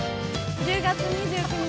１０月２９日